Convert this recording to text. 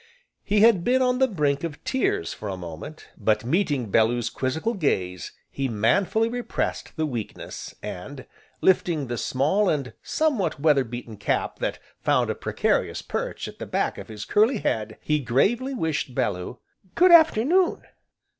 He had been on the brink of tears for a moment, but meeting Bellew's quizzical gaze, he manfully repressed the weakness, and, lifting the small, and somewhat weather beaten cap that found a precarious perch at the back of his curly head, he gravely wished Bellew "Good afternoon!"